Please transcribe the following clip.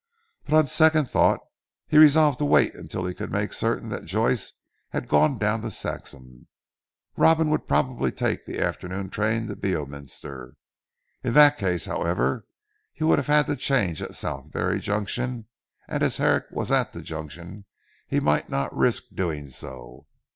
But on second thoughts he resolved to wait until he could make certain that Joyce had gone down to Saxham. Robin would probably take the afternoon train to Beorminster. In that case however he would have had to change at Southberry Junction and as Herrick was at the Junction he might not risk doing so.